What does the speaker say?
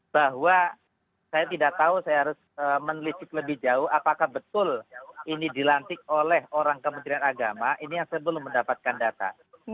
bahwa saya tidak tahu saya harus menelisik lebih jauh apakah betul ini dilantik oleh orang kementerian agama ini yang saya belum mendapatkan data